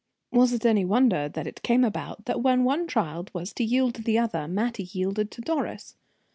Was it any wonder that it came about that when one child was to yield to the other, Mattie yielded to Doris?